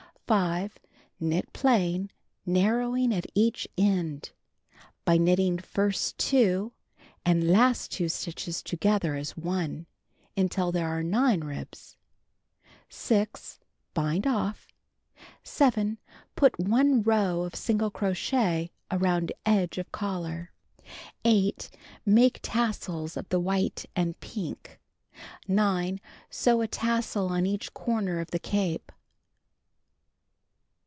5. Knit plain, narrowing at each end (by knitting first 2, and last 2 stitches together as one) until there are 9 ribs. 6. Bind off. 7. Put 1 row of single crochet around edge of collar. 8. Make tassels of the white and pink. 9. Sew a tassel on each corner of the cape.